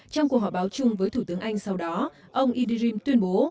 trong cuộc họp báo chung với thủ tướng anh sau đó ông idrim tuyên bố